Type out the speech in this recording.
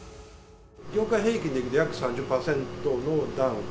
業界平均でいくと約３０％のダウン。